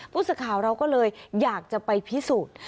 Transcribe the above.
ผู้สื่อข่าวเราก็เลยอยากจะไปพิสูจน์